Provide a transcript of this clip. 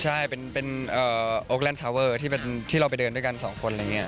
ใช่เป็นโอ๊คเลนส์ชาวเวอร์ที่เราไปเงินด้วยกัน๒คนอย่างเงี้ย